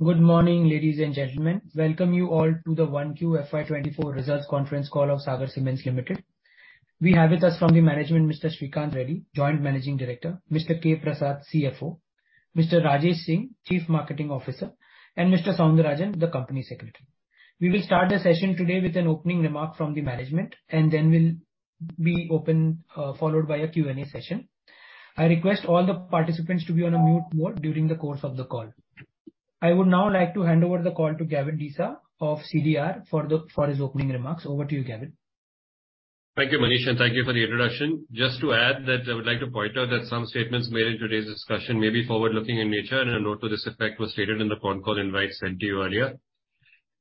Good morning, ladies and gentlemen. Welcome you all to the Q1 FY24 results conference call of Sagar Cements Limited. We have with us from the management, Mr. Sreekanth Reddy, Joint Managing Director, Mr. K. Prasad, CFO, Mr. Rajesh Singh, Chief Marketing Officer, and Mr. Soundararajan, the Company Secretary. We will start the session today with an opening remark from the management, and then we'll be open, followed by a Q&A session. I request all the participants to be on a mute mode during the course of the call. I would now like to hand over the call to Gavin Desa of CDR for the, for his opening remarks. Over to you, Gavin. Thank you, Manish, and thank you for the introduction. Just to add that I would like to point out that some statements made in today's discussion may be forward-looking in nature, and a note to this effect was stated in the conference invite sent to you earlier.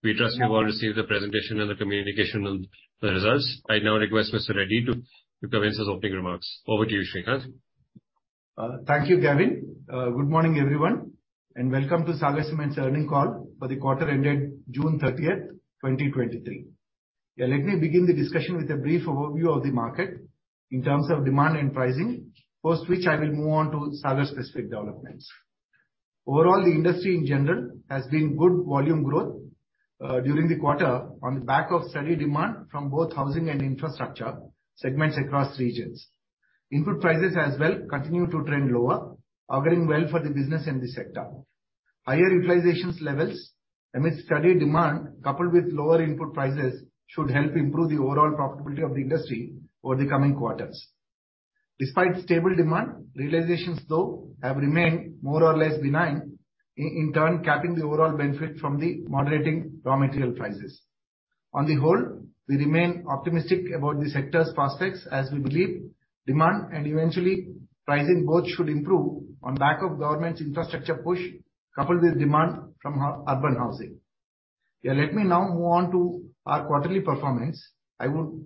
We trust you've all received the presentation and the communication on the results. I now request Mr. Reddy to commence his opening remarks. Over to you, Sreekanth. Thank you, Gavin. Good morning, everyone, and welcome to Sagar Cements' earnings call for the quarter ended June 30, 2023. Let me begin the discussion with a brief overview of the market in terms of demand and pricing, post which I will move on to Sagar specific developments. Overall, the industry in general has been good volume growth during the quarter on the back of steady demand from both housing and infrastructure segments across regions. Input prices as well continue to trend lower, offering well for the business and the sector. Higher utilizations levels amidst steady demand, coupled with lower input prices, should help improve the overall profitability of the industry over the coming quarters. Despite stable demand, realizations though have remained more or less benign, in turn, capping the overall benefit from the moderating raw material prices. On the whole, we remain optimistic about the sector's prospects as we believe demand and eventually pricing both should improve on back of government's infrastructure push, coupled with demand from urban housing. Yeah, let me now move on to our quarterly performance. I would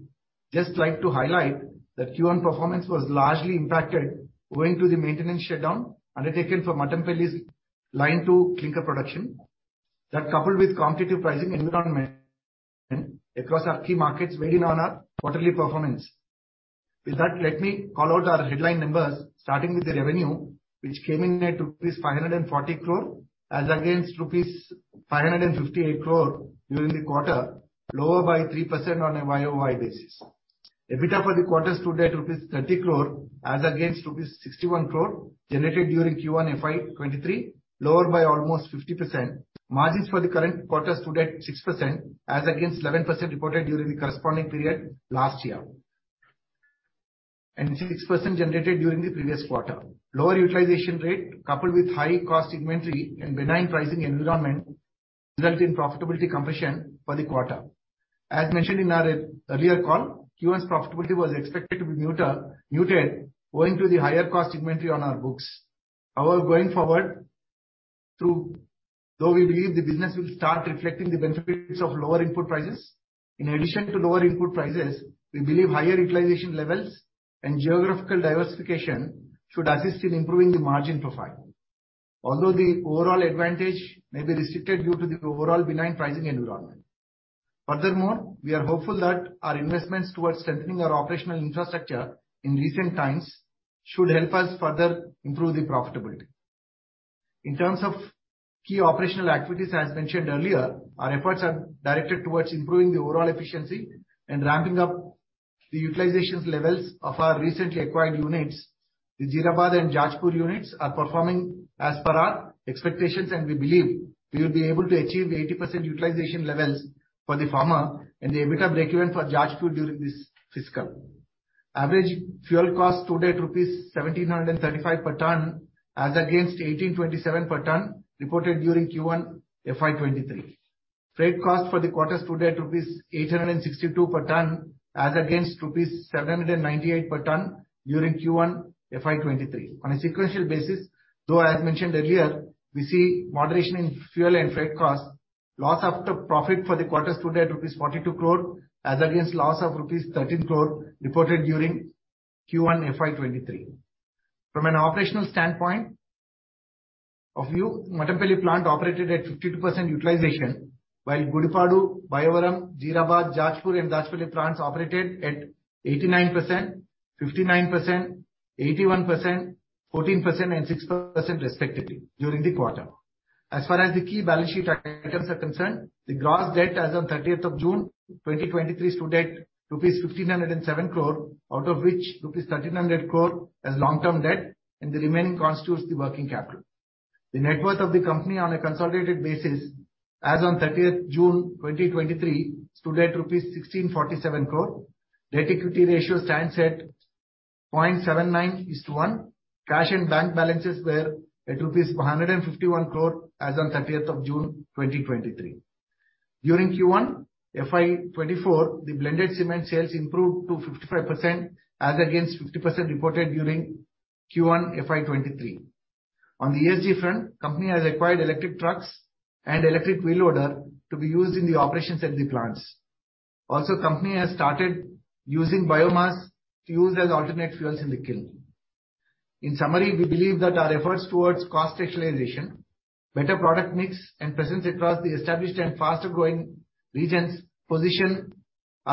just like to highlight that Q1 performance was largely impacted owing to the maintenance shutdown undertaken for Mattampally's line to clinker production. That, coupled with competitive pricing environment across our key markets, weighing on our quarterly performance. With that, let me call out our headline numbers, starting with the revenue, which came in at rupees 540 crore, as against rupees 558 crore during the quarter, lower by 3% on a YOY basis. EBITDA for the quarter stood at rupees 30 crore, as against rupees 61 crore generated during Q1 FY23, lower by almost 50%. Margins for the current quarter stood at 6%, as against 11% reported during the corresponding period last year, and 6% generated during the previous quarter. Lower utilization rate, coupled with high cost inventory and benign pricing environment, result in profitability compression for the quarter. As mentioned in our earlier call, Q1's profitability was expected to be muted, owing to the higher cost inventory on our books. However, going forward, though we believe the business will start reflecting the benefits of lower input prices, in addition to lower input prices, we believe higher utilization levels and geographical diversification should assist in improving the margin profile. Although the overall advantage may be restricted due to the overall benign pricing environment. Furthermore, we are hopeful that our investments towards strengthening our operational infrastructure in recent times should help us further improve the profitability. In terms of key operational activities, as mentioned earlier, our efforts are directed towards improving the overall efficiency and ramping up the utilizations levels of our recently acquired units. The Jeerabad and Jajpur units are performing as per our expectations, and we believe we will be able to achieve 80% utilization levels for the former, and the EBITDA breakeven for Jajpur during this fiscal. Average fuel cost stood at rupees 1,735 per ton, as against 1,827 per ton reported during Q1 FY23. Freight cost for the quarter stood at rupees 862 per ton, as against rupees 798 per ton during Q1 FY23. On a sequential basis, though I had mentioned earlier, we see moderation in fuel and freight costs. Loss after profit for the quarter stood at rupees 42 crore, as against loss of rupees 13 crore reported during Q1 FY23. From an operational standpoint of view, Mattampalli plant operated at 52% utilization, while Gudipadu, Bayyavaram, Jeerabad, Jajpur, and Jajpur plants operated at 89%, 59%, 81%, 14%, and 6% respectively during the quarter. As far as the key balance sheet items are concerned, the gross debt as of June 30, 2023, stood at rupees 1,507 crore, out of which rupees 1,300 crore as long-term debt, the remaining constitutes the working capital. The net worth of the company on a consolidated basis as on June 30, 2023, stood at rupees 1,647 crore. Debt equity ratio stands at 0.79:1. Cash and bank balances were at rupees 151 crore as on June 30, 2023. During Q1 FY24, the blended cement sales improved to 55%, as against 50% reported during Q1 FY23. On the ESG front, Company has acquired electric trucks and electric wheel loader to be used in the operations at the plants. Also, Company has started using biomass fuels as alternate fuels in the kiln. In summary, we believe that our efforts towards cost rationalization, better product mix, and presence across the established and faster growing regions, position Sagar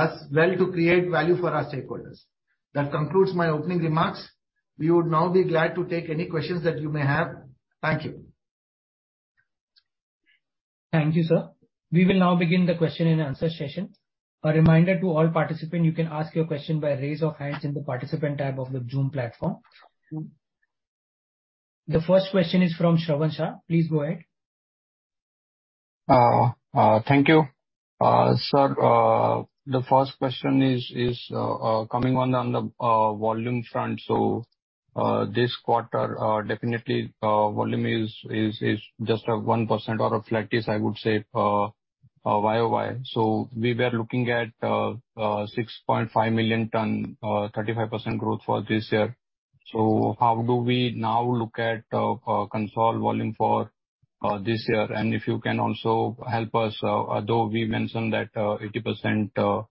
us well to create value for our stakeholders. That concludes my opening remarks. We would now be glad to take any questions that you may have. Thank you. Thank you, sir. We will now begin the question and answer session. A reminder to all participants, you can ask your question by raise of hands in the participant tab of the Zoom platform. The first question is from Shravan Shah. Please go ahead. Thank you. Sir, the first question is coming on the volume front. This quarter, definitely, volume is just a 1% or a flat, I would say, yoy. We were looking at 6.5 million ton, 35% growth for this year. How do we now look at console volume for this year? If you can also help us, though we mentioned that 80%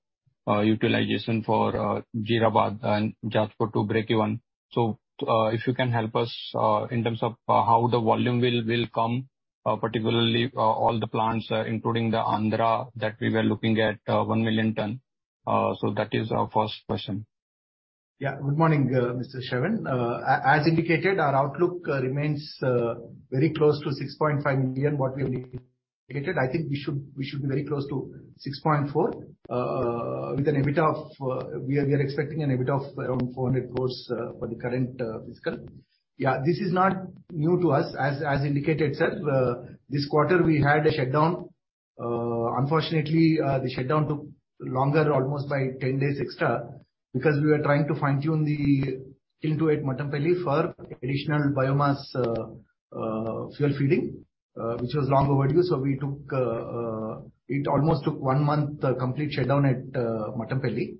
utilization for Jeerabad and Jajpur to break even. If you can help us in terms of how the volume will come, particularly all the plants, including the Andhra, that we were looking at 1 million ton. That is our first question. Yeah. Good morning, Mr. Shravan. As indicated, our outlook remains very close to 6.5 million, what we have indicated. I think we should, we should be very close to 6.4 million, with an EBITDA of. We are, we are expecting an EBITDA of around 400 crore for the current fiscal. Yeah, this is not new to us. As, as indicated, sir, this quarter we had a shutdown. Unfortunately, the shutdown took longer, almost by 10 days extra, because we were trying to fine-tune the kiln to it at Mattampally for additional biomass fuel feeding, which was long overdue. We took, it almost took 1 month, complete shutdown at Mattampally.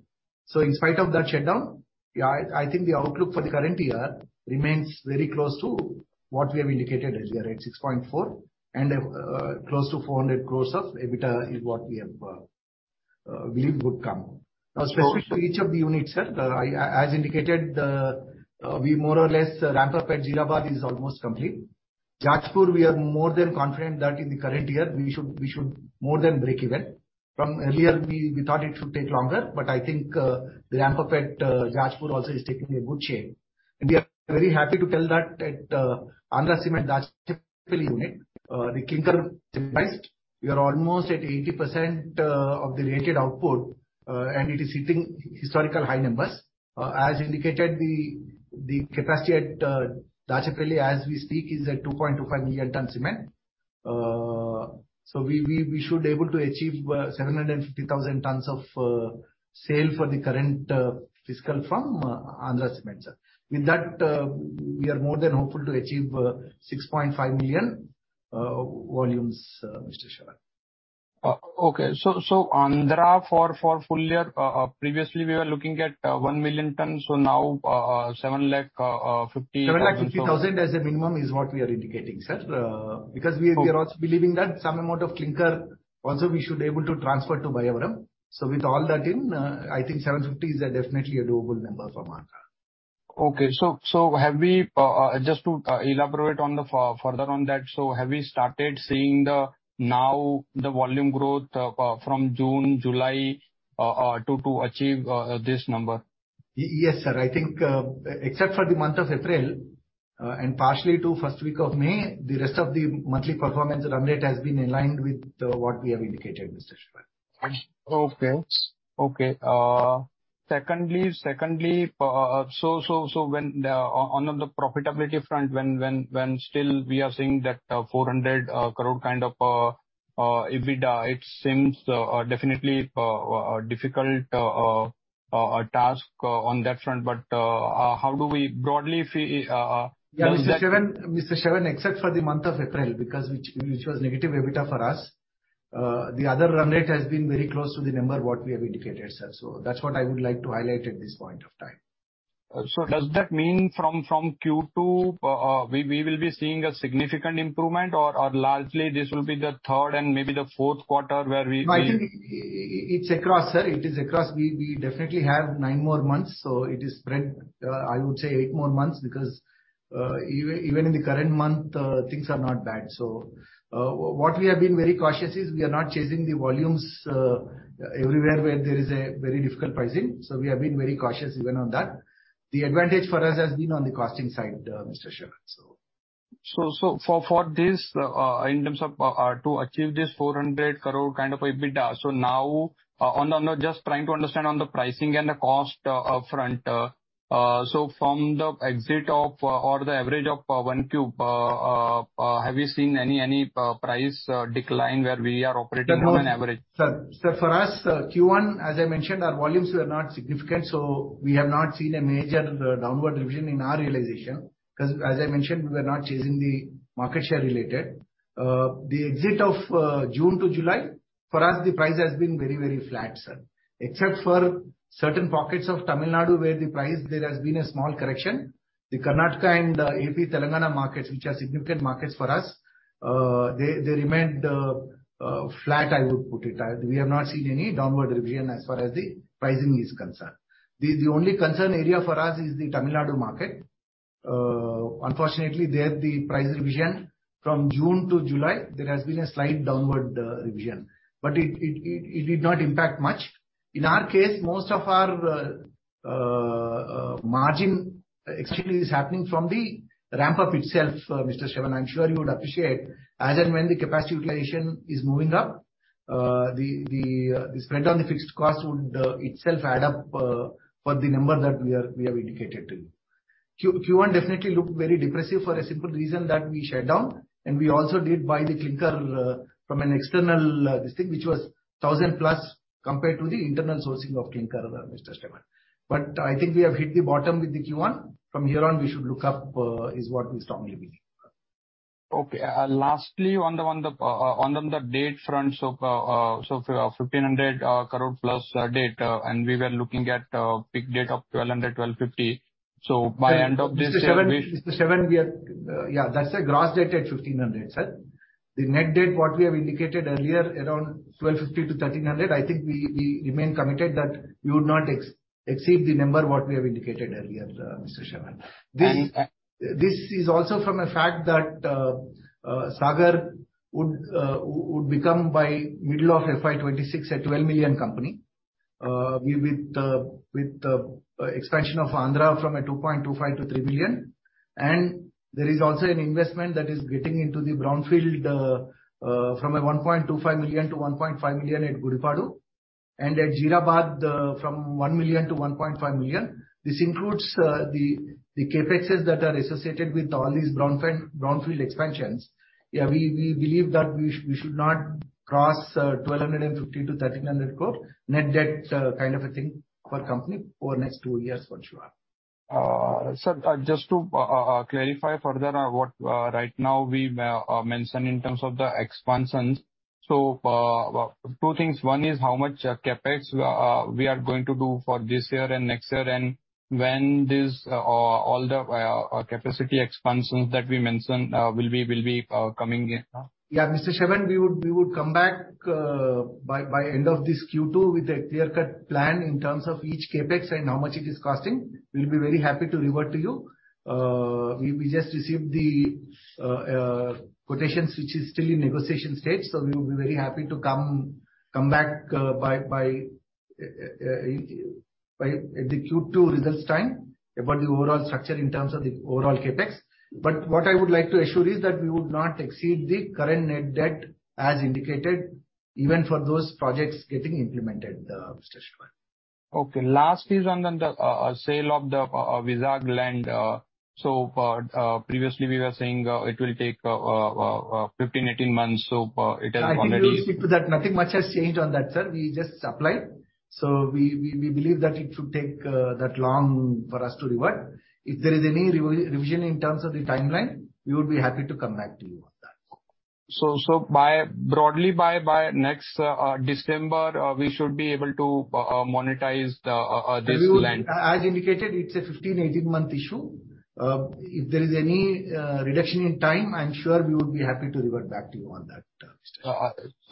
In spite of that shutdown, I think the outlook for the current year remains very close to what we have indicated as we are at 6.4 million, and close to 400 crore of EBITDA is what we have believed would come. Specifically to each of the units, sir, as indicated, we more or less ramp up at Jeerabad is almost complete. Jajpur, we are more than confident that in the current year, we should more than break even. From earlier, we thought it should take longer, I think the ramp up at Jajpur also is taking a good shape. We are very happy to tell that at Andhra Cement Dachepalli unit, the clinker, we are almost at 80% of the rated output, and it is hitting historical high numbers. As indicated, the capacity at Dachepalli, as we speak, is at 2.25 million tons cement. We, we, we should able to achieve 750,000 tons of sale for the current fiscal from Andhra Cement, sir. With that, we are more than hopeful to achieve 6.5 million volumes, Mr. Shravan. Okay. So Andhra for, for full year, previously we were looking at, 1 million tons, so now, 7.5 lakh 7.5 lakh as a minimum is what we are indicating, sir. Because we are Okay. We are also believing that some amount of clinker also we should able to transfer to Vijayaram. With all that in, I think 750 is a definitely a doable number for Andhra. Okay. Have we just to elaborate further on that, so have we started seeing the now the volume growth from June, July to achieve this number? Yes, sir. I think, except for the month of April, and partially to first week of May, the rest of the monthly performance run rate has been in line with, what we have indicated, Mr. Shravan. Okay. Okay. Secondly, secondly, on the profitability front, still we are seeing that 400 crore kind of EBITDA, it seems definitely difficult task on that front. How do we broadly? Yeah, Mr. Shravan, Mr. Shravan, except for the month of April, because which, which was negative EBITDA for us, the other run rate has been very close to the number what we have indicated, sir. That's what I would like to highlight at this point of time. Does that mean from, from Q2, we will be seeing a significant improvement? Largely, this will be the third and maybe the fourth quarter where we No, I think it's across, sir. It is across. We, we definitely have 9 more months, so it is spread, I would say eight more months, because even, even in the current month, things are not bad. What we have been very cautious is we are not chasing the volumes, everywhere where there is a very difficult pricing. We have been very cautious even on that. The advantage for us has been on the costing side, Mr. Shravan, so. For this, in terms of to achieve this 400 crore kind of EBITDA, now, on the, I'm just trying to understand on the pricing and the cost up front. From the exit of or the average of 1 cube, have you seen any, any price decline where we are operating on an average? Sir, sir, for us, Q1, as I mentioned, our volumes were not significant, so we have not seen a major downward revision in our realization, 'cause as I mentioned, we are not chasing the market share related. The exit of June to July, for us, the price has been very, very flat, sir. Except for certain pockets of Tamil Nadu, where the price there has been a small correction. The Karnataka and AP Telangana markets, which are significant markets for us, they, they remained flat, I would put it. We have not seen any downward revision as far as the pricing is concerned. The only concern area for us is the Tamil Nadu market. Unfortunately, there is the price region from June to July, there has been a slight downward revision, but it did not impact much. In our case, most of our margin actually is happening from the ramp up itself. Mr. Shravan, I'm sure you would appreciate, as and when the capacity utilization is moving up, the spread on the fixed cost would itself add up for the number that we have indicated to you. Q1 definitely looked very depressive for a simple reason that we shut down, and we also did buy the clinker from an external district, which was 1,000+ compared to the internal sourcing of clinker, Mr. Shravan. But I think we have hit the bottom with the Q1. From here on, we should look up, is what we strongly believe. Okay. lastly, on the, on the, on, on the date front, so, so 1,500 crore plus date, and we were looking at peak date of 1,200-1,250 crore. By end of this year Mr. Shravan, Mr. Shravan, yeah, that's a gross date at 1,500, sir. The net date, what we have indicated earlier, around 1,250-1,300, I think we, we remain committed that we would not exceed the number what we have indicated earlier, Mr. Shravan. And, and This, this is also from a fact that Sagar would become by middle of FY26, a 12 million company. With the expansion of Andhra from a 2.25 million-3 million. There is also an investment that is getting into the brownfield from a 1.25 million-1.5 million at Gudipadu. At Jeerabad, from 1 million-1.5 million. This includes the CapExes that are associated with all these brownfield expansions. Yeah, we believe that we should not cross 1,250 crore-1,300 crore, net debt, kind of a thing for company over the next two years, for sure. Sir, just to clarify further on what right now we mentioned in terms of the expansions. two things. One is how much CapEx we are going to do for this year and next year, and when this all the capacity expansions that we mentioned will be, will be coming in? Yeah, Mr. Shravan, we would, we would come back by end of this Q2 with a clear-cut plan in terms of each CapEx and how much it is costing. We'll be very happy to revert to you. We, we just received the quotations, which is still in negotiation stage, so we will be very happy to come, come back by the Q2 results time about the overall structure in terms of the overall CapEx. What I would like to assure is that we would not exceed the current net debt as indicated, even for those projects getting implemented, Mr. Shravan. Okay, last is on the sale of the Vizag land. Previously we were saying, it will take 15, 18 months, so, it has already. I think we will stick to that. Nothing much has changed on that, sir. We just applied. We, we, we believe that it should take that long for us to revert. If there is any revision in terms of the timeline, we would be happy to come back to you on that. So by, broadly by, by next, December, we should be able to, monetize the, this land? We will. As indicated, it's a 15, 18 month issue. If there is any reduction in time, I'm sure we would be happy to revert back to you on that, Mr.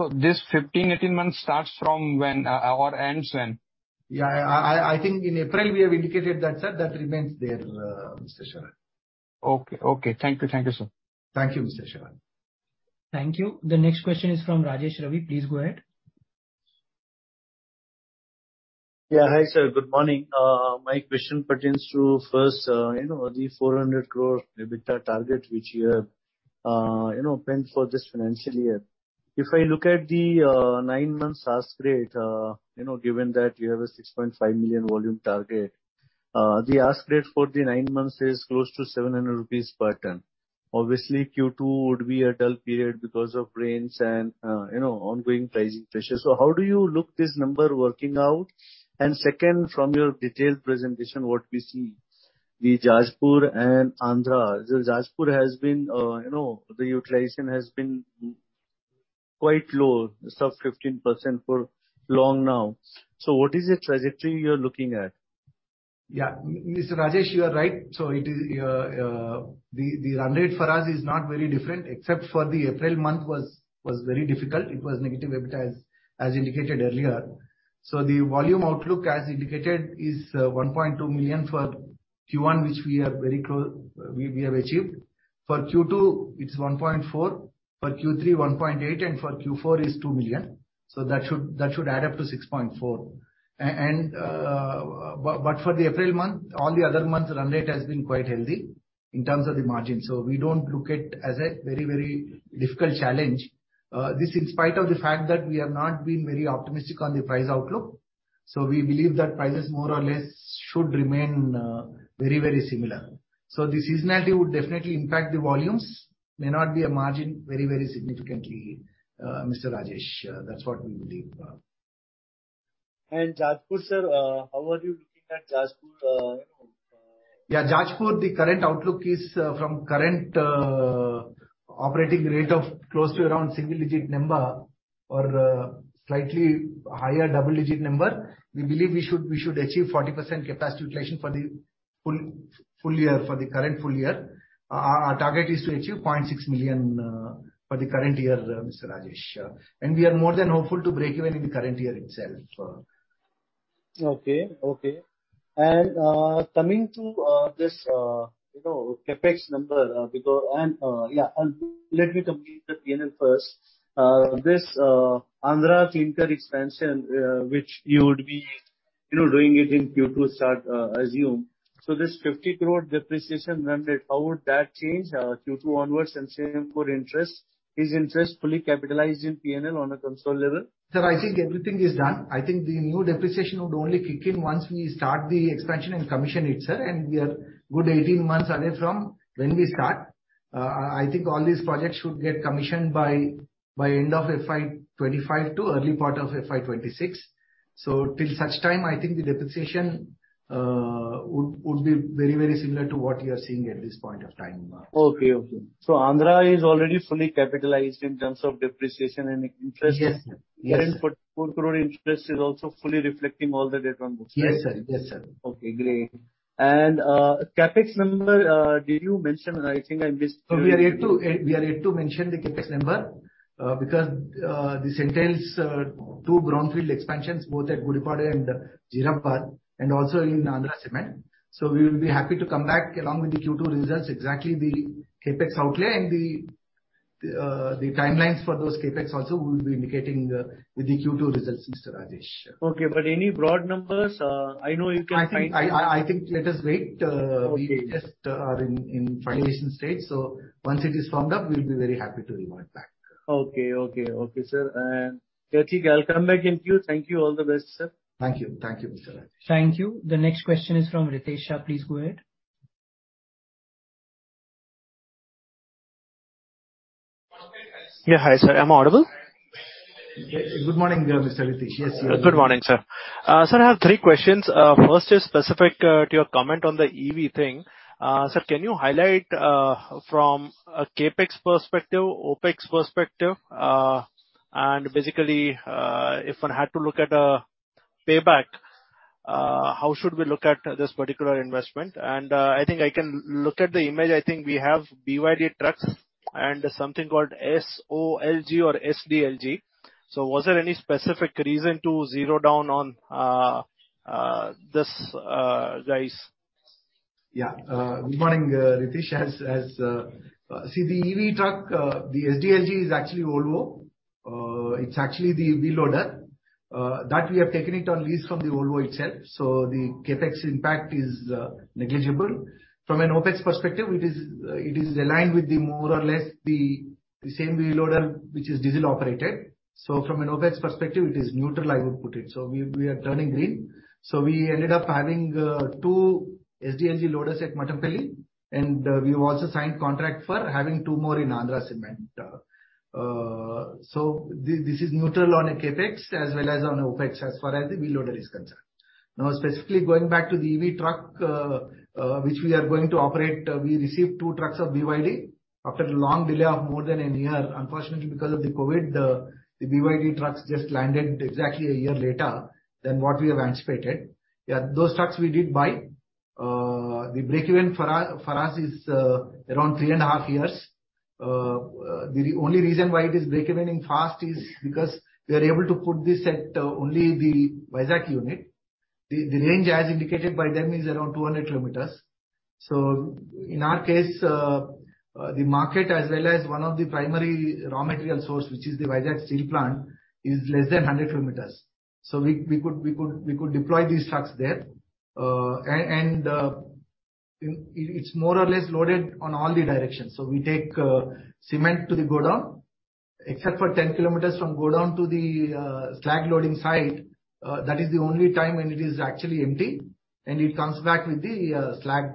Shravan. This 15, 18 months starts from when? Ends when? Yeah, I, I, I think in April we have indicated that, sir. That remains there, Mr. Shravan. Okay, okay. Thank you. Thank you, sir. Thank you, Mr. Shravan. Thank you. The next question is from Rajesh Ravi. Please go ahead. Yeah, hi, sir. Good morning. My question pertains to first, you know, the 400 crore EBITDA target, which you have, you know, penned for this financial year. If I look at the 9 months AS rate, you know, given that you have a 6.5 million volume target, the AS rate for the 9 months is close to 700 rupees per ton. Obviously, Q2 would be a dull period because of rains and, you know, ongoing pricing pressure. How do you look this number working out? Second, from your detailed presentation, what we see, the Jajpur and Andhra. The Jajpur has been, you know, the utilization has been quite low, sub 15% for long now. What is the trajectory you're looking at? Yeah. Mr. Rajesh, you are right. It is the run rate for us is not very different, except for the April month was very difficult. It was negative EBITDA, as indicated earlier. The volume outlook, as indicated, is 1.2 million for Q1, which we are very close, we have achieved. For Q2, it's 1.4, for Q3, 1.8, and for Q4 is 2 million. That should, that should add up to 6.4. But for the April month, all the other months' run rate has been quite healthy in terms of the margin. We don't look at as a very, very difficult challenge. This in spite of the fact that we have not been very optimistic on the price outlook. We believe that prices more or less should remain very, very similar. The seasonality would definitely impact the volumes. May not be a margin very, very significantly, Mr. Rajesh, that's what we believe. Jajpur, sir, how are you looking at Jajpur, you know? Yeah, Jajpur, the current outlook is from current operating rate of close to around single digit number or slightly higher double digit number. We believe we should, we should achieve 40% capacity utilization for the full year, for the current full year. Our target is to achieve 0.6 million for the current year, Mr. Rajesh. We are more than hopeful to break even in the current year itself. Okay, okay. Coming to this, you know, CapEx number. Let me complete the PNL first. This Andhra team cut expansion, which you would be, you know, doing it in Q2 start, assume. This 50 crore depreciation mandate, how would that change Q2 onwards and same for interest? Is interest fully capitalized in PNL on a consolidated level? Sir, I think everything is done. I think the new depreciation would only kick in once we start the expansion and commission it, sir, and we are good 18 months away from when we start. I, I think all these projects should get commissioned by, by end of FY25 to early part of FY26. Till such time, I think the depreciation would, would be very, very similar to what you are seeing at this point of time. Okay. Okay. Andhra is already fully capitalized in terms of depreciation and interest? Yes, sir. Yes. 4 crore interest is also fully reflecting all the data on books. Yes, sir. Yes, sir. Okay, great. CapEx number, did you mention, I think I missed We are yet to, we are yet to mention the CapEx number, because this entails two greenfield expansions, both at Gudipadu and Jirampal, and also in Andhra Cement. We will be happy to come back along with the Q2 results, exactly the CapEx outlay and the timelines for those CapEx also, we will be indicating with the Q2 results, Mr. Rajesh. Okay, any broad numbers, I know you can I think, I, I, I think let us wait. Okay. We just, are in, in finalization stage, so once it is firmed up, we'll be very happy to revert back. Okay. Okay. Okay, sir. I'll come back in queue. Thank you. All the best, sir. Thank you. Thank you, Mr. Rajesh. Thank you. The next question is from Ritesh Shah. Please go ahead. Yeah, hi, sir. Am I audible? Yes. Good morning, Mr. Ritesh. Yes, you are. Good morning, sir. Sir, I have three questions. First is specific to your comment on the EV thing. Sir, can you highlight from a CapEx perspective, OpEx perspective, and basically, if one had to look at a payback, how should we look at this particular investment? I think I can look at the image. I think we have BYD trucks and something called SOLG or SDLG. Was there any specific reason to zero down on this guys? Yeah, good morning, Ritesh. See, the EV truck, the SDLG is actually Volvo. It's actually the wheel loader that we have taken it on lease from the Volvo itself, so the CapEx impact is negligible. From an OpEx perspective, it is aligned with the more or less the same wheel loader which is diesel operated. From an OpEx perspective, it is neutral, I would put it. We, we are turning green. We ended up having 2 SDLG loaders at Mattampally, and we've also signed contract for having 2 more in Andhra Cement. This is neutral on a CapEx as well as on OpEx, as far as the wheel loader is concerned. Specifically, going back to the EV truck, which we are going to operate, we received 2 trucks of BYD after a long delay of more than one year. Unfortunately, because of the COVID, the BYD trucks just landed exactly one year later than what we have anticipated. Yeah, those trucks we did buy. The break-even for us, for us is around 3.5 years. The only reason why it is break-even fast is because we are able to put this at only the Vizag unit. The range, as indicated by them, is around 200 km. In our case, the market as well as one of the primary raw material source, which is the Vizag steel plant, is less than 100 km. We, we could, we could, we could deploy these trucks there. It's more or less loaded on all the directions. We take cement to the godown, except for 10 kilometers from godown to the slag loading site. That is the only time when it is actually empty, and it comes back with the slag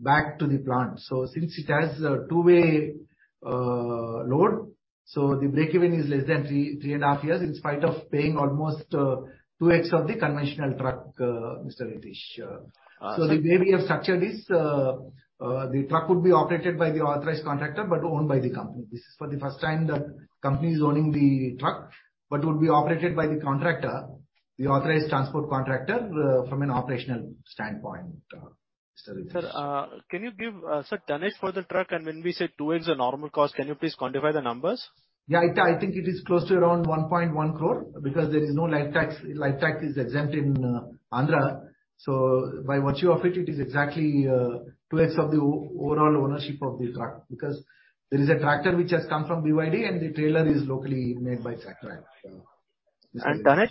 back to the plant. Since it has a two-way load, the break-even is less than 3.5 years, in spite of paying almost two-thirds of the conventional truck, Mr. Ritesh. The way we have structured this, the truck would be operated by the authorized contractor, but owned by the company. This is for the first time the company is owning the truck, but would be operated by the contractor, the authorized transport contractor, from an operational standpoint, Mr. Ritesh. Sir, can you give, sir, tonnage for the truck? When we say two ways, the normal cost, can you please quantify the numbers? Yeah, I, I think it is close to around 1.1 crore, because there is no life tax. Life tax is exempt in Andhra. By virtue of it, it is exactly two-thirds of the overall ownership of the truck, because there is a tractor which has come from BYD, the trailer is locally made by. Tonnage?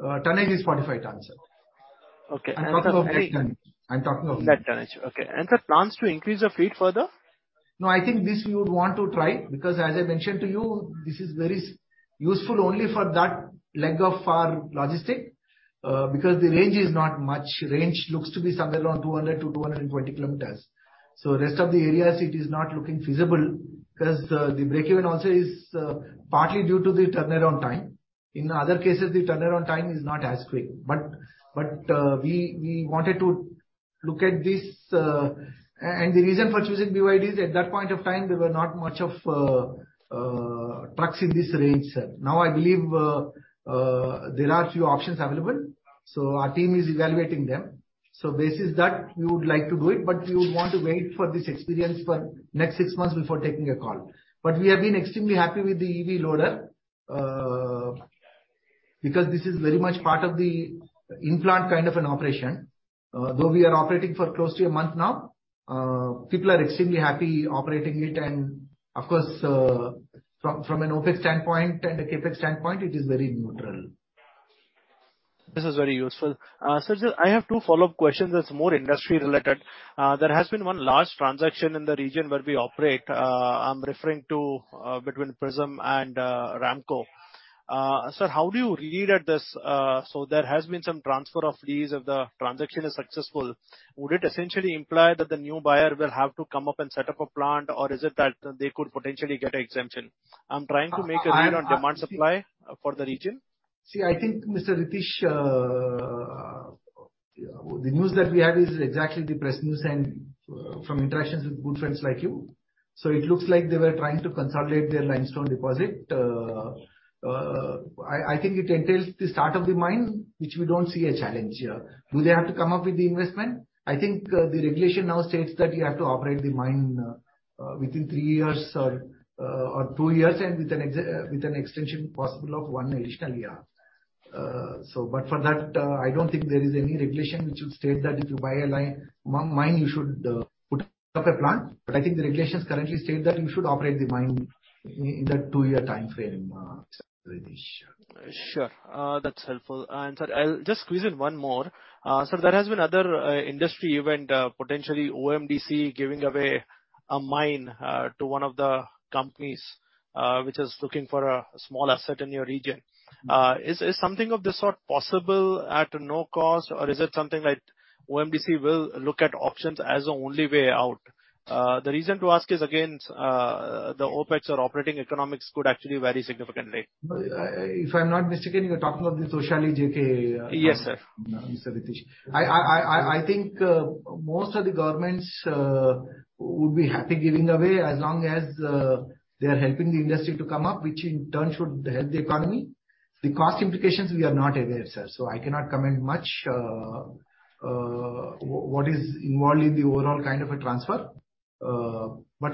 Tonnage is 45 tons, sir. Okay. I'm talking of this tonnage. That tonnage. Okay. Sir, plans to increase the fleet further? No, I think this we would want to try, because as I mentioned to you, this is very useful only for that leg of our logistic, because the range is not much. Range looks to be somewhere around 200-220 kilometers. Rest of the areas, it is not looking feasible because the break-even also is partly due to the turnaround time. In other cases, the turnaround time is not as quick. But we wanted to look at this. The reason for choosing BYD is, at that point of time, there were not much of trucks in this range, sir. Now, I believe, there are a few options available, so our team is evaluating them. Basis that, we would like to do it, but we would want to wait for this experience for next six months before taking a call. We have been extremely happy with the EV loader, because this is very much part of the in-plant kind of an operation. Though we are operating for close to 1 month now, people are extremely happy operating it, and of course, from, from an OpEx standpoint and a CapEx standpoint, it is very neutral. This is very useful. Sir, just I have two follow-up questions that's more industry related. There has been one large transaction in the region where we operate. I'm referring to, between Prism and Ramco. Sir, how do you read at this? There has been some transfer of lease if the transaction is successful. Would it essentially imply that the new buyer will have to come up and set up a plant, or is it that they could potentially get an exemption? I'm trying to make a read on demand supply for the region. See, I think, Mr. Ritesh, the news that we have is exactly the press news and from interactions with good friends like you. It looks like they were trying to consolidate their limestone deposit. I, I think it entails the start of the mine, which we don't see a challenge here. Do they have to come up with the investment? I think, the regulation now states that you have to operate the mine within three years or two years, and with an extension possible of one additional year. But for that, I don't think there is any regulation which will state that if you buy a mine, you should put up a plant. I think the regulations currently state that you should operate the mine in that two-year timeframe, Mr. Ritesh. Sure. That's helpful. Sir, I'll just squeeze in one more. Sir, there has been other, industry event, potentially OMDC giving away a mine, to one of the companies, which is looking for a small asset in your region. Mm-hmm. Is something of this sort possible at no cost, or is it something like OMDC will look at options as the only way out? The reason to ask is, again, the OpEx or operating economics could actually vary significantly. If I'm not mistaken, you're talking of the Sialijodi JK. Yes, sir. Mr. Ritesh. I think, most of the governments, would be happy giving away as long as, they are helping the industry to come up, which in turn should help the economy. The cost implications, we are not aware, sir, so I cannot comment much, what is involved in the overall kind of a transfer.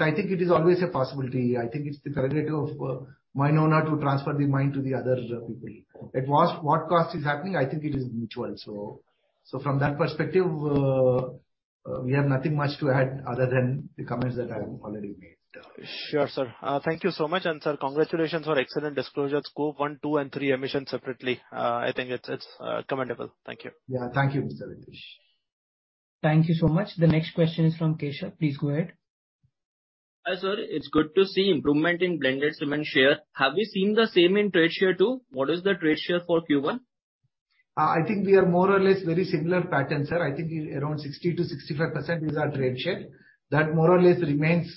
I think it is always a possibility. I think it's the prerogative of a mine owner to transfer the mine to the other people. At what cost is happening, I think it is mutual. From that perspective, we have nothing much to add other than the comments that I've already made. Sure, sir. Thank you so much. Sir, congratulations on excellent disclosure scope one, two, and three emissions separately. I think it's, it's, commendable. Thank you. Yeah. Thank you, Mr. Ritesh. Thank you so much. The next question is from Keshav. Please go ahead. Hi, sir. It's good to see improvement in blended cement share. Have you seen the same in trade share, too? What is the trade share for Q1? I think we are more or less very similar pattern, sir. I think around 60%-65% is our trade share. That more or less remains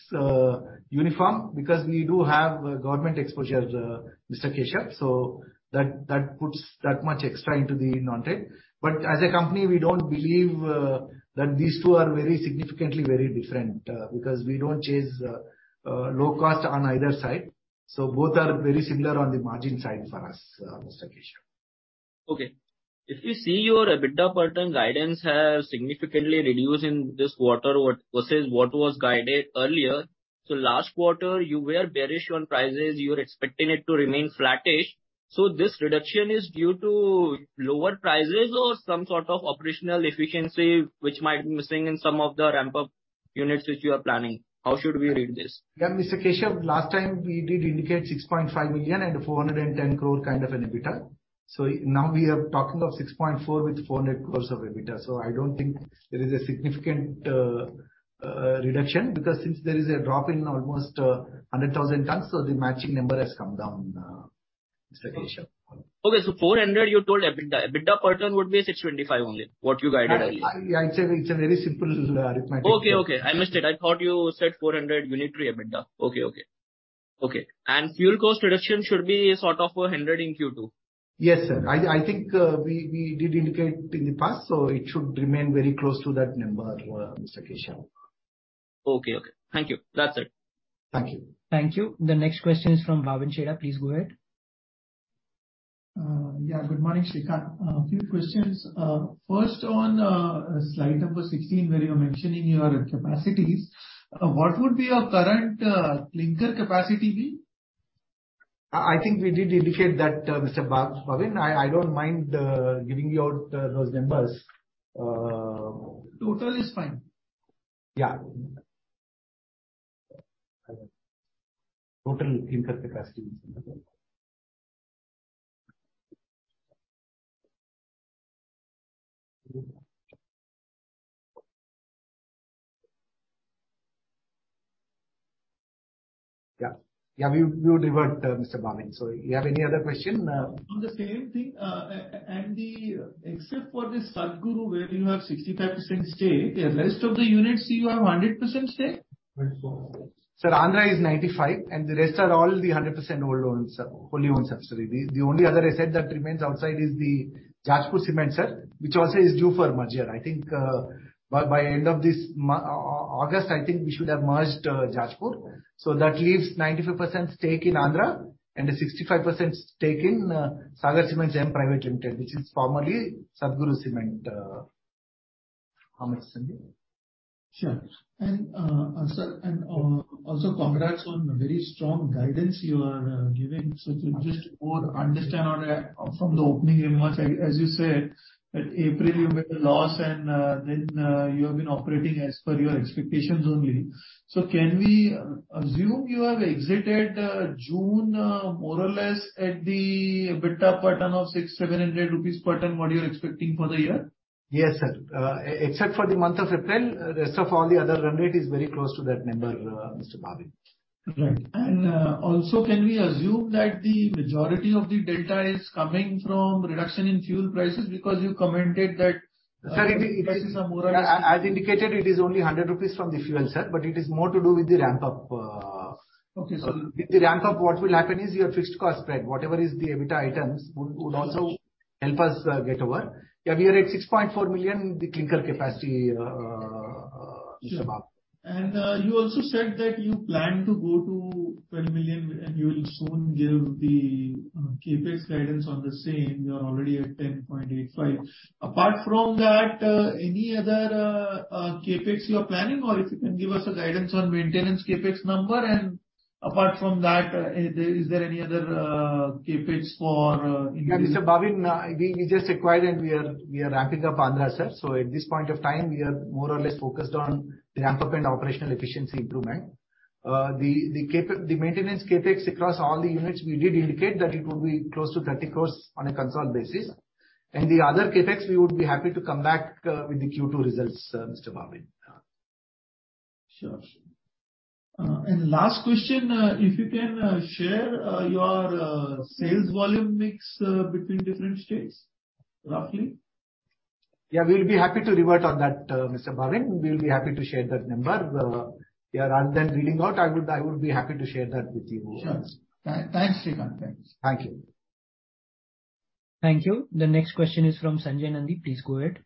uniform, because we do have government exposure, Mr. K. Prasad, so that, that puts that much extra into the non-trade. As a company, we don't believe that these two are very significantly very different, because we don't chase low cost on either side. Both are very similar on the margin side for us, Mr. K. Prasad. Okay. If you see your EBITDA pattern, guidance has significantly reduced in this quarter, versus what was guided earlier. Last quarter, you were bearish on prices. You were expecting it to remain flattish. This reduction is due to lower prices or some sort of operational efficiency which might be missing in some of the ramp-up units which you are planning? How should we read this? Yeah, Mr. K. Prasad, last time we did indicate 6.5 million and 410 crore kind of an EBITDA. Now we are talking of 6.4 with 400 crores of EBITDA. I don't think there is a significant reduction, because since there is a drop in almost 100,000 tons, the matching number has come down, Mr. K. Prasad. Okay, you told INR 400 EBITDA. EBITDA per ton would be 625 only, what you guided earlier. Yeah, it's a, it's a very simple arithmetic. Okay, okay. I missed it. I thought you said 400 unitary EBITDA. Okay, okay. Okay, fuel cost reduction should be sort of 100 in Q2? Yes, sir. I, I think we, we did indicate in the past. It should remain very close to that number, Mr. K. Prasad. Okay, okay. Thank you. That's it. Thank you. Thank you. The next question is from Bhavin Chheda. Please go ahead. Yeah, good morning, Sreekanth. A few questions. First, on, slide number 16, where you're mentioning your capacities, what would be your current, clinker capacity be? I think we did indicate that Mr. Bhavin. I, I don't mind giving you those numbers. Total is fine. Yeah. Total clinker capacity. Yeah. Yeah, we, we would revert Mr. Bhavin. You have any other question? On the same thing, except for the Satguru, where you have 65% stake, the rest of the units, you have 100% stake? Sir, Andhra is 95, and the rest are all the 100% whole owns, wholly owned subsidiary. The only other asset that remains outside is the Jajpur Cement, sir, which also is due for merger. I think, by, by end of this August, I think we should have merged Jajpur. That leaves 95% stake in Andhra and a 65% stake in Sagar Cements M Private Limited, which is formerly Satguru Cement. How much, Sandy? Sure. sir, also congrats on very strong guidance you are giving. To just more understand on that from the opening remarks, as you said, that April you made a loss and then you have been operating as per your expectations only. Can we assume you have exited June more or less at the EBITDA per ton of 600- 700 rupees per ton, what you're expecting for the year? Yes, sir. Except for the month of April, rest of all the other run rate is very close to that number, Mr. Bhavin. Right. Also, can we assume that the majority of the delta is coming from reduction in fuel prices? Because you commented that Sir, as, as indicated, it is only 100 rupees from the fuel, sir, but it is more to do with the ramp-up. Okay. With the ramp-up, what will happen is your fixed cost spread, whatever is the EBITDA items, would, would also help us get over. Yeah, we are at 6.4 million, the clinker capacity, Mr. Bhavin. You also said that you plan to go to 20 million, and you will soon give the CapEx guidance on the same. You are already at 10.85. Apart from that, any other CapEx you are planning, or if you can give us a guidance on maintenance CapEx number. Apart from that, is there, is there any other CapEx for Mr. Bhavin, we, we just acquired and we are, we are ramping up Andhra, sir. At this point of time, we are more or less focused on ramp-up and operational efficiency improvement. The maintenance CapEx across all the units, we did indicate that it would be close to 30 crore on a consolidated basis. The other CapEx, we would be happy to come back with the Q2 results, Mr. Bhavin. Sure. Last question, if you can, share, your, sales volume mix, between different states, roughly? Yeah, we'll be happy to revert on that, Mr. Bhavin. We'll be happy to share that number. We are run that reading out. I would be happy to share that with you. Sure. Thanks, Sreekanth. Thanks. Thank you. Thank you. The next question is from Sanjay Nandi. Please go ahead.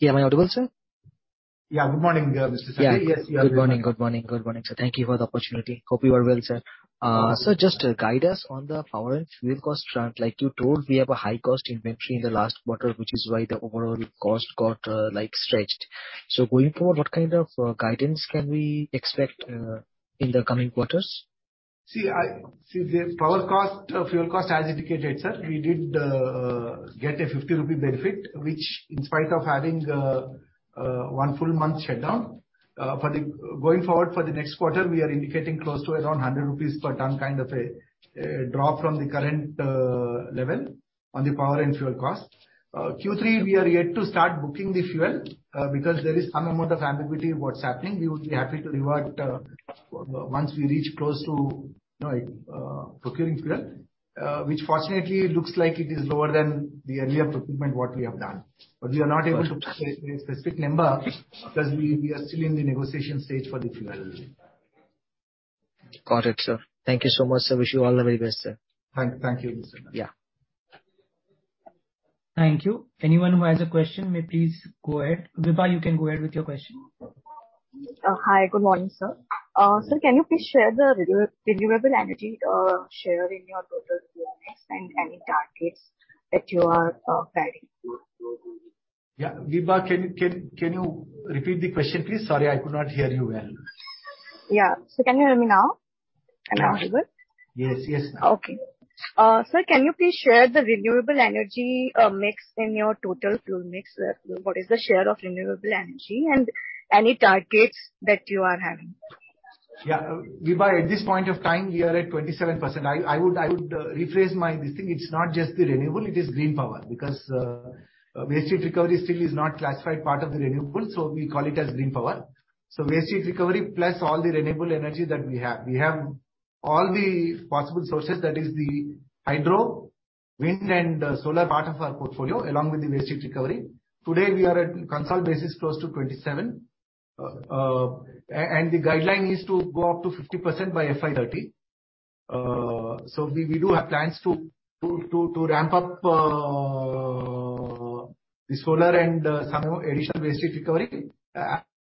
Yeah, am I audible, sir? Yeah. Good morning, Mr. Sanjay. Yeah. Yes, you are good. Good morning. Good morning, good morning, sir. Thank you for the opportunity. Hope you are well, sir. Sir, just guide us on the power and fuel cost front. Like you told, we have a high cost inventory in the last quarter, which is why the overall cost got, like, stretched. Going forward, what kind of guidance can we expect in the coming quarters? See, the power cost, fuel cost, as indicated, sir, we did get a 50 rupee benefit, which in spite of having one full month shutdown. Going forward, for the next quarter, we are indicating close to around 100 rupees per ton, kind of a drop from the current level on the power and fuel cost. Q3, we are yet to start booking the fuel, because there is some amount of ambiguity in what's happening. We would be happy to revert once we reach close to, you know, procuring fuel, which fortunately looks like it is lower than the earlier procurement what we have done. We are not able to give a specific number, because we are still in the negotiation stage for the fuel. Got it, sir. Thank you so much, sir. Wish you all the very best, sir. Thank you, Mr. Nandi. Yeah. Thank you. Anyone who has a question may please go ahead. Viba, you can go ahead with your question. Hi, good morning, sir. Sir, can you please share the renewable energy share in your total mix and any targets that you are planning? Yeah, Viba, can you repeat the question, please? Sorry, I could not hear you well. Yeah. Sir, can you hear me now? Yes. Am I audible? Yes, yes, now. Okay. sir, can you please share the renewable energy mix in your total fuel mix? What is the share of renewable energy and any targets that you are having? Viba, at this point of time, we are at 27%. I, I would, I would rephrase my this thing. It's not just the renewable, it is green power, because waste heat recovery still is not classified part of the renewable, so we call it as green power. So waste heat recovery plus all the renewable energy that we have. We have all the possible sources, that is the hydro, wind, and solar part of our portfolio, along with the waste heat recovery. Today, we are at consult basis, close to 27. The guideline is to go up to 50% by FY30. We, we do have plans to, to, to, to ramp up the solar and some more additional waste heat recovery.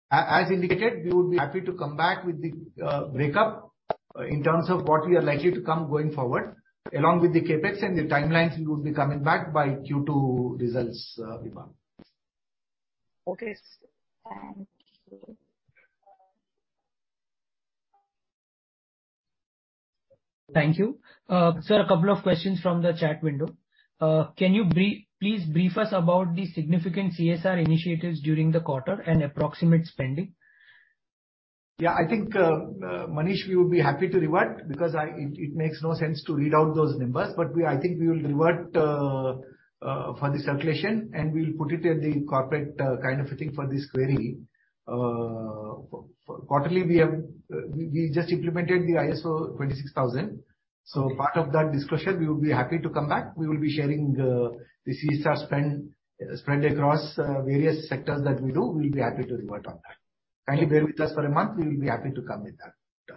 As indicated, we would be happy to come back with the breakup in terms of what we are likely to come going forward, along with the CapEx and the timelines we would be coming back by Q2 results, Viba. Okay. Thank you. Thank you. Sir, a couple of questions from the chat window. Can you please brief us about the significant CSR initiatives during the quarter and approximate spending? Yeah, I think, Manish, we would be happy to revert because it, it makes no sense to read out those numbers. We, I think we will revert for the circulation, and we'll put it at the corporate kind of a thing for this query. Quarterly, we have, we, we just implemented the ISO 26,000, so part of that discussion, we would be happy to come back. We will be sharing the CSR spend, spread across various sectors that we do. We'll be happy to revert on that. Kindly bear with us for 1 month. We will be happy to come with that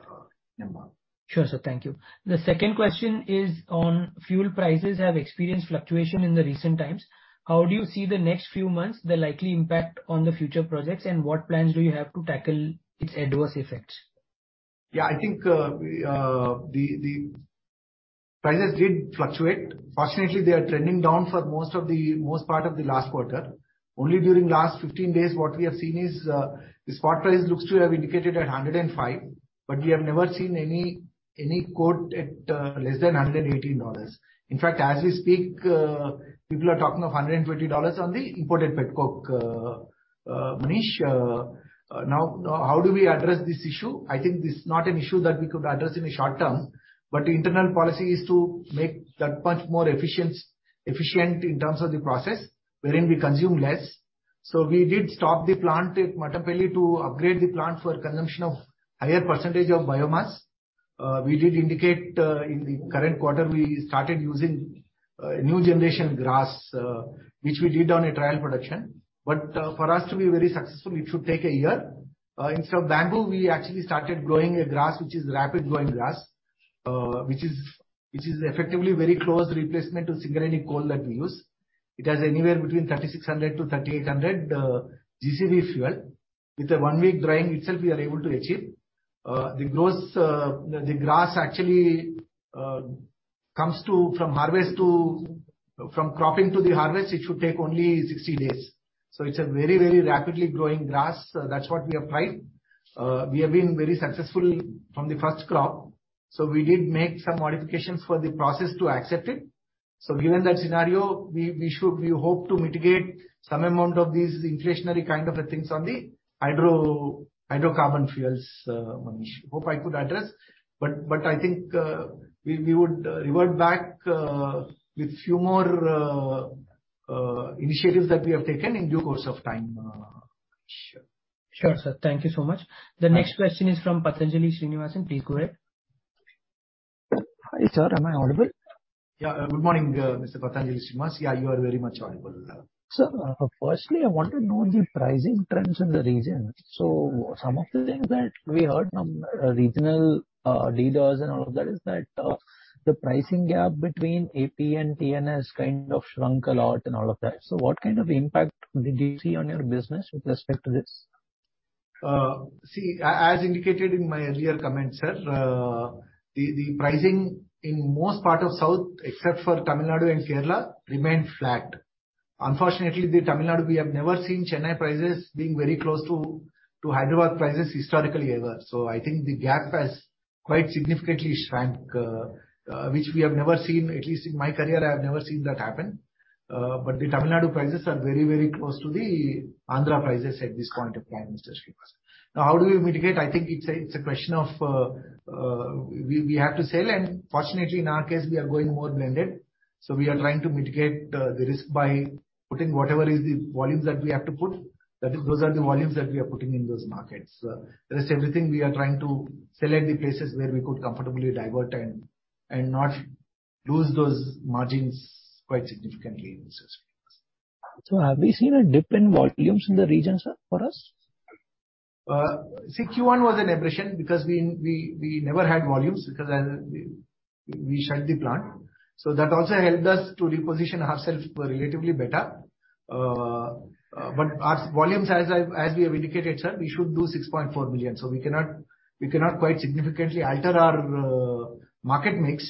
number. Sure, sir. Thank you. The second question is on fuel prices have experienced fluctuation in the recent times. How do you see the next few months, the likely impact on the future projects, and what plans do you have to tackle its adverse effects? Yeah, I think, we, the prices did fluctuate. Fortunately, they are trending down for most part of the last quarter. Only during last 15 days, what we have seen is, the spot price looks to have indicated at $105, but we have never seen any quote at less than $118. In fact, as we speak, people are talking of $120 on the imported pet coke. Manish, now, how do we address this issue? I think this is not an issue that we could address in the short term, but the internal policy is to make that much more efficient, efficient in terms of the process, wherein we consume less. We did stop the plant at Mattampally to upgrade the plant for consumption of higher percentage of biomass. We did indicate, in the current quarter, we started using new generation grass, which we did on a trial production. For us to be very successful, it should take a year. Instead of bamboo, we actually started growing a grass, which is rapid growing grass, which is, which is effectively very close replacement to single any coal that we use. It has anywhere between 3,600 to 3,800 GCV fuel. With a one week drying itself, we are able to achieve. The grass actually from harvest to, from cropping to the harvest, it should take only 60 days. It's a very, very rapidly growing grass. That's what we have tried. We have been very successful from the first crop, so we did make some modifications for the process to accept it. Given that scenario, we should, we hope to mitigate some amount of these inflationary kind of things on the hydrocarbon fuels, Manish. Hope I could address. I think we would revert back with few more initiatives that we have taken in due course of time, sure. Sure, sir. Thank you so much. Yeah. The next question is from Pathanjali Srinivasan. Please go ahead. Hi, sir. Am I audible? Yeah. Good morning, Mr. Pathanjali Srinivasan. Yeah, you are very much audible. Sir, firstly, I want to know the pricing trends in the region. Some of the things that we heard from regional leaders and all of that, is that the pricing gap between AP and TNS kind of shrunk a lot and all of that. What kind of impact did you see on your business with respect to this? See, as indicated in my earlier comments, sir, the, the pricing in most part of South, except for Tamil Nadu and Kerala, remained flat. Unfortunately, the Tamil Nadu, we have never seen Chennai prices being very close to, to Hyderabad prices historically ever. I think the gap has quite significantly shrunk, which we have never seen, at least in my career, I have never seen that happen. But the Tamil Nadu prices are very, very close to the Andhra prices at this point in time, Mr. Srinivasan. Now, how do we mitigate? I think it's a, it's a question of, we, we have to sell, and fortunately, in our case, we are going more blended. We are trying to mitigate the risk by putting whatever is the volumes that we have to put. That is, those are the volumes that we are putting in those markets. The rest everything, we are trying to sell at the places where we could comfortably divert and, and not lose those margins quite significantly, Mr. Srinivasan. Have we seen a dip in volumes in the region, sir, for us? See, Q1 was a depression because we, we, we never had volumes, because we, we shut the plant. That also helped us to reposition ourselves relatively better. As volumes, as I, as we have indicated, sir, we should do 6.4 million. We cannot, we cannot quite significantly alter our market mix.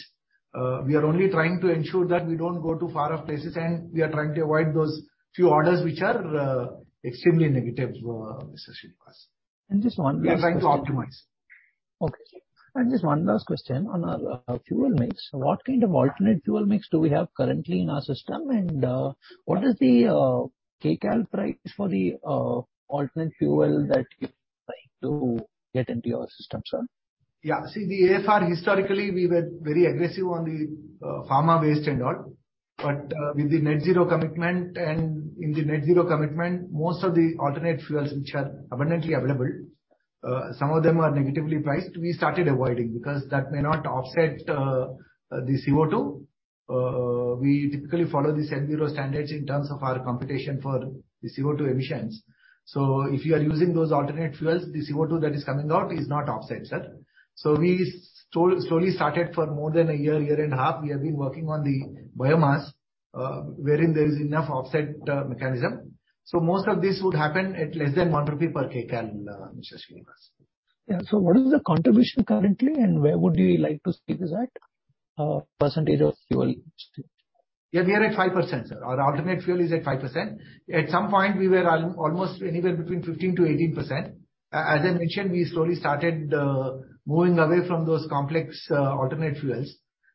We are only trying to ensure that we don't go to far off places, and we are trying to avoid those few orders which are extremely negative, Mr. Srinivasan. Just one last question. We are trying to optimize. Okay. Just one last question on our fuel mix. What kind of alternate fuel mix do we have currently in our system? What is the kcal price for the alternate fuel that you're trying to get into your system, sir? See, the ASR historically, we were very aggressive on the pharma waste and all. With the net zero commitment, and in the net zero commitment, most of the alternate fuels which are abundantly available, some of them are negatively priced. We started avoiding, because that may not offset the CO2. We typically follow the net zero standards in terms of our competition for the CO2 emissions. If you are using those alternate fuels, the CO2 that is coming out is not offset, sir. We slow, slowly started for more than one year, 1.5 years, we have been working on the biomass, wherein there is enough offset mechanism. Most of this would happen at less than 1 rupee per kcal, Mr. Srinivasan. Yeah. What is the contribution currently, and where would you like to see this at, percentage of fuel? Yeah, we are at 5%, sir. Our alternate fuel is at 5%. At some point, we were almost anywhere between 15%-18%. As I mentioned, we slowly started moving away from those complex alternate fuels,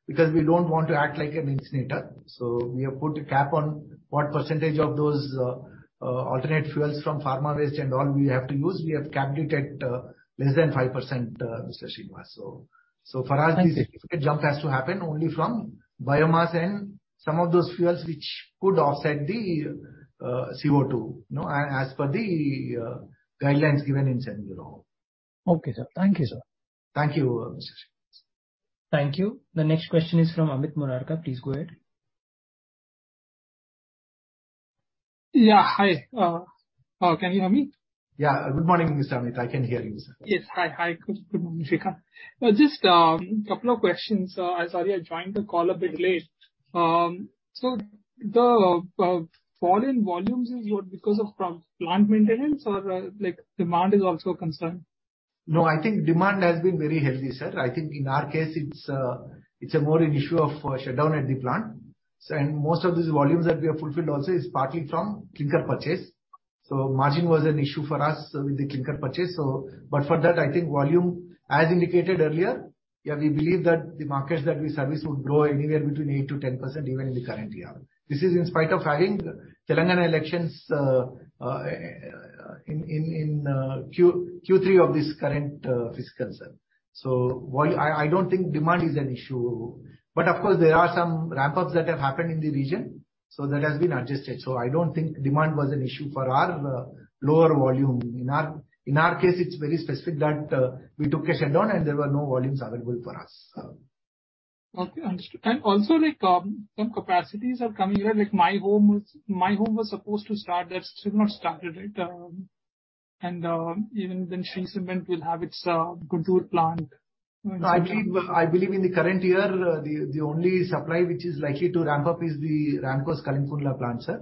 because we don't want to act like an incinerator. We have put a cap on what percentage of those alternate fuels from pharma waste and all we have to use, we have capped it at less than 5%, Mr. Srinivasan. For us Thank you. This jump has to happen only from biomass and some of those fuels which could offset the CO2, you know, as per the guidelines given in net zero. Okay, sir. Thank you, sir. Thank you, Mr. Srinivasan. Thank you. The next question is from Amit Morarka. Please go ahead. Yeah, hi. Can you hear me? Yeah. Good morning, Mr. Amit. I can hear you, sir. Yes. Hi, hi, good, good morning, Sreekanth Now just a couple of questions. Sorry, I joined the call a bit late. The fall in volumes is your because of plant maintenance, or, like, demand is also a concern? No, I think demand has been very healthy, sir. I think in our case, it's, it's a more an issue of a shutdown at the plant. Most of these volumes that we have fulfilled also is partly from clinker purchase. Margin was an issue for us with the clinker purchase, but for that, I think volume, as indicated earlier, yeah, we believe that the markets that we service would grow anywhere between 8%-10% even in the current year. This is in spite of having Telangana elections in Q3 of this current fiscal year. I, I don't think demand is an issue, but of course there are some ramp ups that have happened in the region, so that has been adjusted. I don't think demand was an issue for our lower volume. In our, in our case, it's very specific that we took a shutdown and there were no volumes available for us. Okay, also, like, some capacities are coming here, like My Home was supposed to start, that's still not started, right? Even then Shree Cement will have its Guntur plant. I believe, I believe in the current year, the, the only supply which is likely to ramp up is the Ramco's Kalinganagar plant, sir.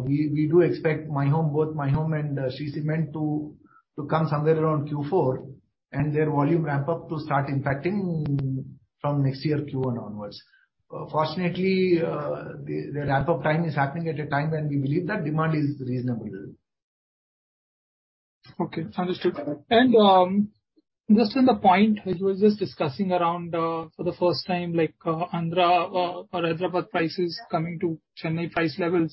We, we do expect My Home, both My Home and Shree Cement to, to come somewhere around Q4, and their volume ramp up to start impacting from next year, Q1 onwards. Fortunately, the, the ramp up time is happening at a time when we believe that demand is reasonable. Okay, understood. Just on the point which we were just discussing around for the first time, like, Andhra or Hyderabad prices coming to Chennai price levels.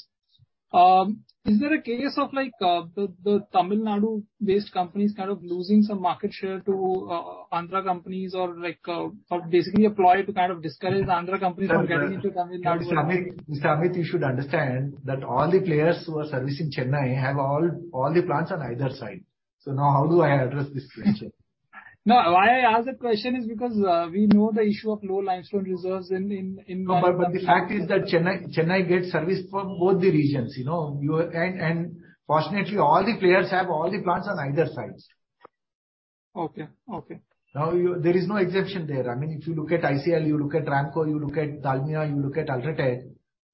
Is there a case of like, the, the Tamil Nadu-based companies kind of losing some market share to Andhra companies or like, basically a ploy to kind of discourage the Andhra companies from getting into Tamil Nadu? Mr. Amit, Mr. Amit, you should understand that all the players who are servicing Chennai have all, all the plants on either side. Now how do I address this question? No, why I ask that question is because, we know the issue of low limestone reserves in, in, in The fact is that Chennai, Chennai gets service from both the regions, you know, you, and, and, fortunately, all the players have all the plants on either sides. Okay. Okay. There is no exception there. I mean, if you look at ICL, you look at Ramco, you look at Dalmia, you look at UltraTech,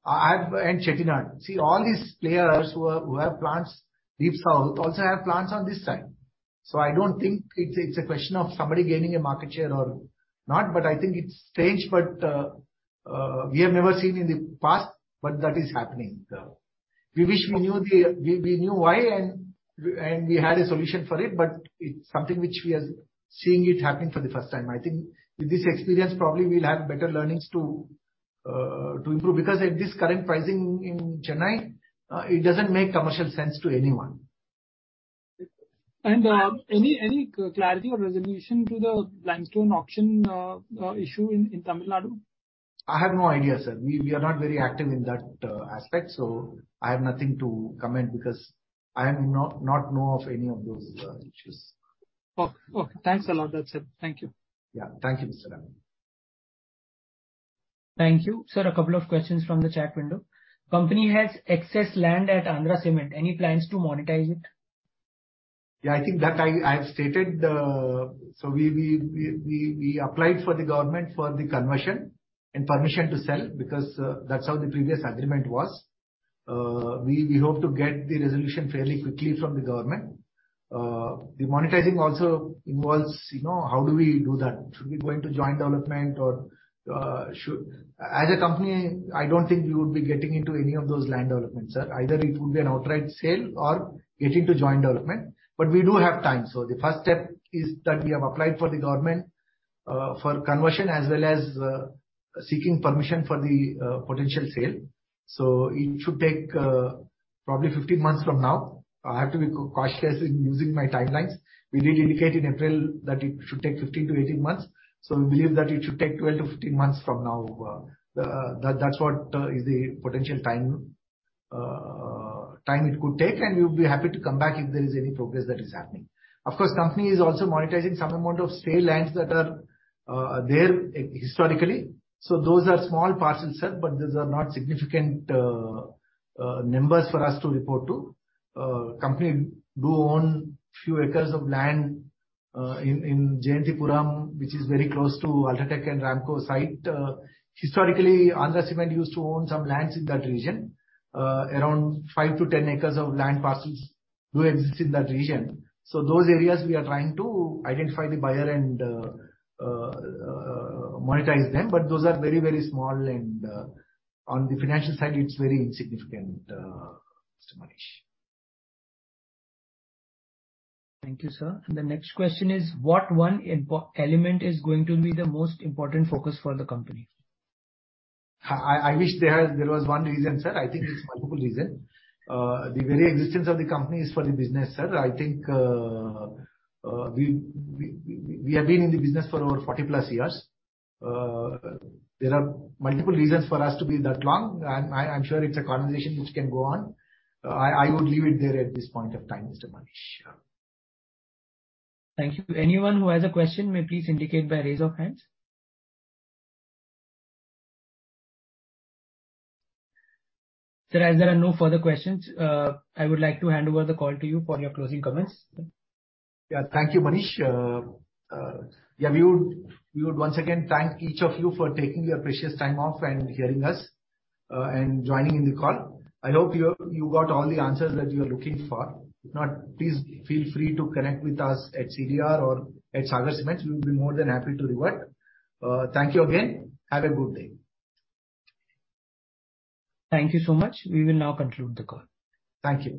and Chettinad. All these players who have plants deep south, also have plants on this side. I don't think it's a question of somebody gaining a market share or not, but I think it's strange, but we have never seen in the past, but that is happening. We wish we knew why and we had a solution for it, but it's something which we are seeing it happen for the first time. I think with this experience, probably we'll have better learnings to improve. At this current pricing in Chennai, it doesn't make commercial sense to anyone. Any, any clarity or resolution to the limestone auction issue in Tamil Nadu? I have no idea, sir. We, we are not very active in that aspect, so I have nothing to comment because I am not, not know of any of those issues. Okay. Okay, thanks a lot. That's it. Thank you. Yeah. Thank you, Mr. Amit. Thank you. Sir, a couple of questions from the chat window. Company has excess land at Andhra Cement. Any plans to monetize it? Yeah, I think that I, I have stated. We, we, we, we, we applied for the government for the conversion and permission to sell, because, that's how the previous agreement was. We, we hope to get the resolution fairly quickly from the government. The monetizing also involves, you know, how do we do that? Should we go into joint development or, As a company, I don't think we would be getting into any of those land developments, sir. Either it would be an outright sale or getting to joint development, but we do have time. The first step is that we have applied for the government, for conversion as well as, seeking permission for the, potential sale. It should take, probably 15 months from now. I have to be cautious in using my timelines. We did indicate in April that it should take 15 to 18 months. We believe that it should take 12 to 15 months from now. That's what is the potential time it could take, and we'll be happy to come back if there is any progress that is happening. Of course, Company is also monetizing some amount of sale lands that are there historically. Those are small parcels, sir, but these are not significant numbers for us to report to. Company do own few acres of land in Jayanthipuram, which is very close to UltraTech and Ramco site. Historically, Andhra Cement used to own some lands in that region. Around 5 to 10 acres of land parcels do exist in that region. Those areas we are trying to identify the buyer and monetize them, but those are very, very small and on the financial side, it's very insignificant, Mr. Manish. Thank you, sir. The next question is, What one element is going to be the most important focus for the company? I, I, I wish there, there was one reason, sir. I think there's multiple reason. The very existence of the company is for the business, sir. I think, we, we, we have been in the business for over 40+ years. There are multiple reasons for us to be that long, and I, I'm sure it's a conversation which can go on. I, I would leave it there at this point of time, Mr. Manish. Thank you. Anyone who has a question may please indicate by raise of hands. Sir, as there are no further questions, I would like to hand over the call to you for your closing comments. Yeah. Thank you, Manish. Yeah, we would, we would once again thank each of you for taking your precious time off and hearing us, and joining in the call. I hope you, you got all the answers that you are looking for. If not, please feel free to connect with us at CDR or at Sagar Cements. We'll be more than happy to revert. Thank you again. Have a good day. Thank you so much. We will now conclude the call. Thank you.